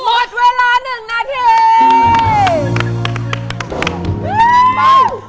หมดเวลา๑นาที